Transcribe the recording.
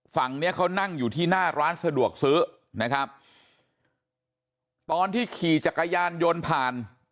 ฝั่งเนี้ยเขานั่งอยู่ที่หน้าร้านสะดวกซื้อนะครับตอนที่ขี่จักรยานยนต์ผ่าน